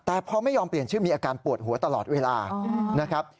แต่พอไม่ยอมเปลี่ยนชื่อมีอาการปวดหัวตลอดเวลานะครับ